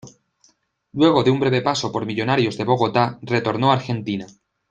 Luego de un breve paso por Millonarios de Bogotá, retornó a Argentina.